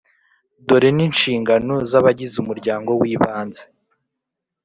dore n’inshingano z’abagize umuryango w’ibanze;